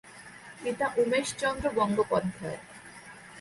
পিতা উমেশচন্দ্র বন্দ্যোপাধ্যায়।